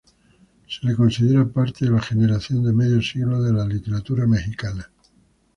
Se le considera parte de la generación de medio siglo de la literatura mexicana.